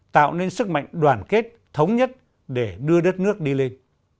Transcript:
tạo nên sức mạnh đoàn kết thống nhất để đưa đất nước đi lên